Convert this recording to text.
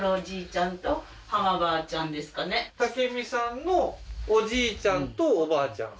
ちゃんとハマばあちゃんですかね武美さんのおじいちゃんとおばあちゃん